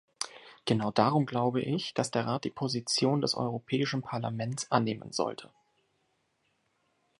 Genau darum glaube ich, dass der Rat die Position des Europäischen Parlaments annehmen sollte.